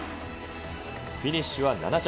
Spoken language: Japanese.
フィニッシュは７着。